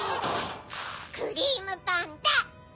「クリームパンダ」！